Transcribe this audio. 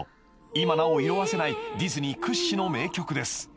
［今なお色あせないディズニー屈指の名曲です］